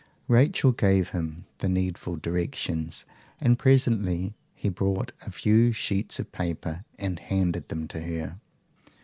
Rachel gave him the needful directions, and presently he brought a few sheets of paper, and handed them to her.